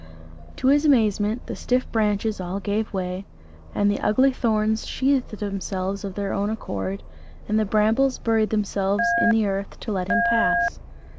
To his amazement the stiff branches all gave way, and the ugly thorns sheathed themselves of their own accord, and the brambles buried themselves in the earth to let him pass.